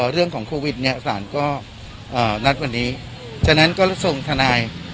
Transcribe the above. เรื่องของโควิดเนี่ยสารก็นัดวันนี้ฉะนั้นก็ส่งทนาย